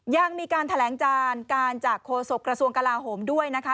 ยังมีการแถลงจานการจากโฆษกระทรวงกลาโหมด้วยนะคะ